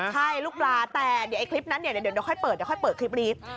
ใช่ลูกปลาแต่ไอคลิปนั้นเดี๋ยวค่อยเปิดคลิปนี้